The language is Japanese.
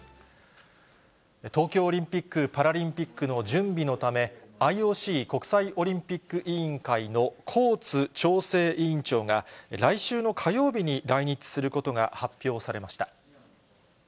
東京オリンピック・パラリンピックの準備のため、ＩＯＣ・国際オリンピック委員会のコーツ調整委員長が、来週の火曜日の来日することが発表されました。